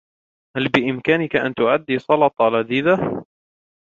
هل بإمكانك أن تعدي سلطة لذيذة؟